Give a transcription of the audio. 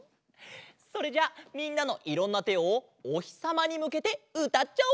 それじゃあみんなのいろんなてをおひさまにむけてうたっちゃおう！